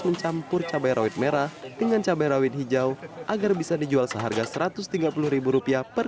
mencampur cabai rawit merah dengan cabai rawit hijau agar bisa dijual seharga satu ratus tiga puluh rupiah per